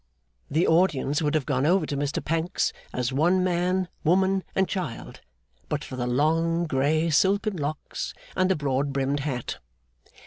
The audience would have gone over to Mr Pancks, as one man, woman, and child, but for the long, grey, silken locks, and the broad brimmed hat.